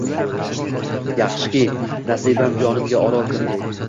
Yaxshiki, Nasibam jonimga oro kirdi